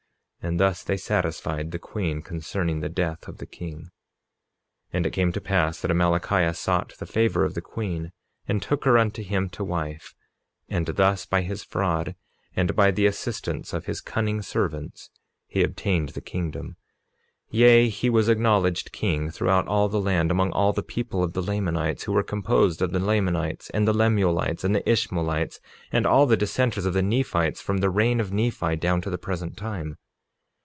And thus they satisfied the queen concerning the death of the king. 47:35 And it came to pass that Amalickiah sought the favor of the queen, and took her unto him to wife; and thus by his fraud, and by the assistance of his cunning servants, he obtained the kingdom; yea, he was acknowledged king throughout all the land, among all the people of the Lamanites, who were composed of the Lamanites and the Lemuelites and the Ishmaelites, and all the dissenters of the Nephites, from the reign of Nephi down to the present time.